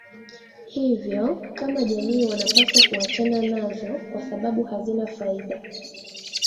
Hivyo kama jamii wanapaswa kuachana nazo kwa sababu hazina faida